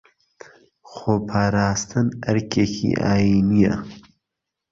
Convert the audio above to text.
خۆپاراستن ئەرکێکی ئاینییە